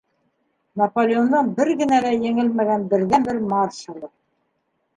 Наполеондың бер генә лә еңелмәгән берҙән-бер маршалы.